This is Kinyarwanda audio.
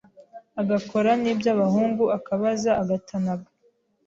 agakora n’iy’abahungu akabaza, agatanaga